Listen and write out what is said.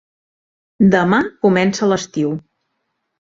Demà comença l'estiu.